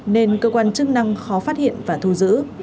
nên cơ quan chức năng khó phát hiện và thu giữ